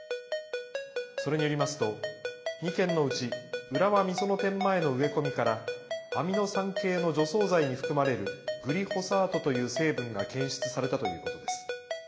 それによりますと２件のうち浦和美園店前の植え込みからアミノ酸系の除草剤に含まれるグリホサートという成分が検出されたということです。